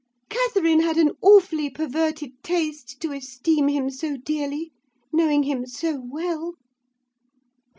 Catherine had an awfully perverted taste to esteem him so dearly, knowing him so well.